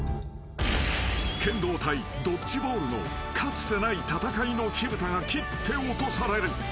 ［剣道対ドッジボールのかつてない戦いの火ぶたが切って落とされる］